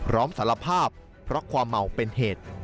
พร้อมสารภาพเพราะความเมาเป็นเหตุ